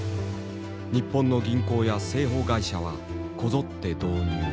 日本の銀行や生保会社はこぞって導入。